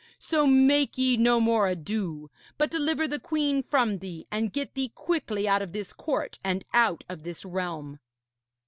So make ye no more ado; but deliver the queen from thee, and get thee quickly out of this court and out of this realm.'